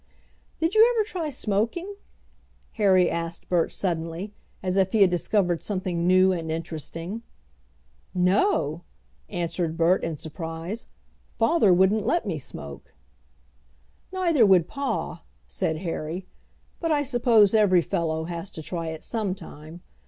"Did you ever try smoking?" Harry asked Bert suddenly, as if he had discovered something new and interesting. "No!" answered Bert in surprise. "Father wouldn't let me smoke." "Neither would pa," said Harry, "but I suppose every fellow has to try it some time.